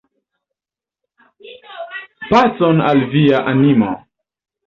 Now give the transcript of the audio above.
Pacon al via animo!